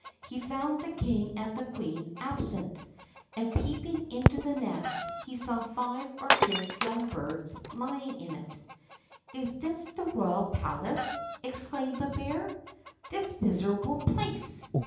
He found the king and queen absent, and, peeping into the nest, he saw five or six young birds lying in it. "Is this the royal palace?" exclaimed the bear; "this miserable place!